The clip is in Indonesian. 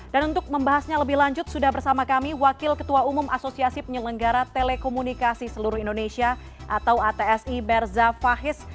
dan untuk membahasnya lebih lanjut sudah bersama kami wakil ketua umum asosiasi penyelenggara telekomunikasi seluruh indonesia atau atsi merza fahis